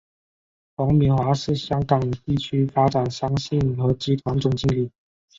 黄敏华是香港地产发展商信和集团总经理。